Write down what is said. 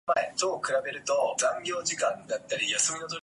What are the beliefs and values of your organisation?